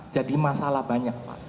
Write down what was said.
jadi masalah banyak